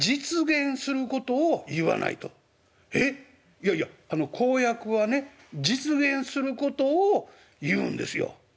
「いやいや公約はね実現することを言うんですよ」。